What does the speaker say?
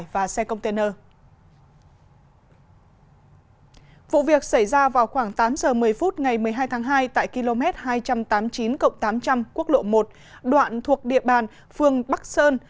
vụ việc xảy ra vào khoảng tám giờ một mươi phút ngày một mươi hai tháng hai tại km hai trăm tám mươi chín tám trăm linh quốc lộ một đoạn thuộc địa bàn phương bắc sơn